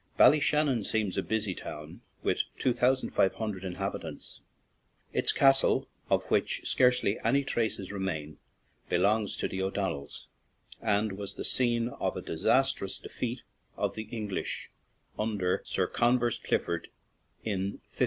Bally shannon seems a busy town, with two thou sand five hundred inhabitants. Its castle, of which scarcely any traces remain, be longs to the O'Donnells and was the scene of a disastrous defeat of the English under Sir Con vers Clifford in 1597.